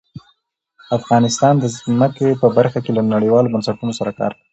افغانستان د ځمکه په برخه کې له نړیوالو بنسټونو سره کار کوي.